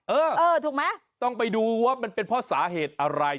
เออเออถูกไหมต้องไปดูว่ามันเป็นเพราะสาเหตุอะไร